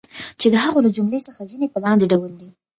چی د هغو له جملی څخه د ځینی په لاندی ډول دی